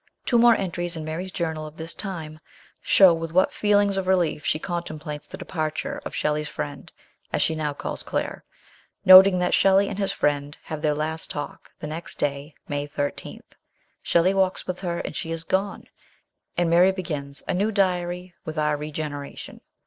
Two more entries in Mary's journal, of this time, show with what feelings of relief she contemplates the departure of Shelley's friend, as she now calls Claire. Noting that Shelley and his friend have their last talk, the next day, May 13, Shelley walks with her, and she is gone ! and Mary begins " a new diary with our regeneration."